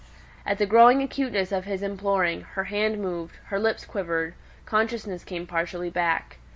At the growing acuteness of his imploring, her hand moved, her lips quivered, consciousness came partially back.